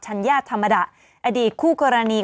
ทำรับชัดภัดะอดีตคู่กรณี